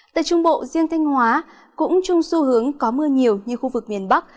tại trung bộ riêng thanh hóa cũng chung xu hướng có mưa nhiều như khu vực miền bắc